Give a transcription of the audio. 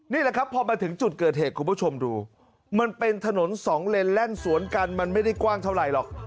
นี่แหละครับพอมาถึงจุดเกิดเหตุคุณผู้ชมดูมันเป็นถนนสองเลนแล่นสวนกันมันไม่ได้กว้างเท่าไหร่หรอก